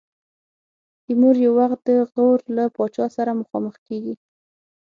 تیمور یو وخت د غور له پاچا سره مخامخ کېږي.